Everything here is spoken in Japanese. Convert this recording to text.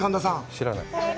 知らない。